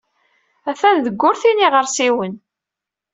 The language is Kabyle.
Atan deg wurti n yiɣersiwen.